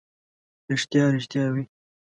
ریښتیا، ریښتیا وي.